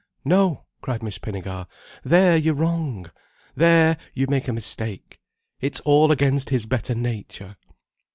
"No," cried Miss Pinnegar. "There you're wrong! There you make a mistake. It's all against his better nature."